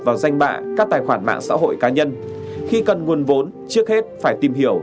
vào danh bạ các tài khoản mạng xã hội cá nhân khi cần nguồn vốn trước hết phải tìm hiểu